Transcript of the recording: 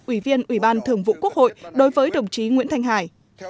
ủy viên ủy ban thường vụ quốc hội đối với đồng chí nguyễn thanh hải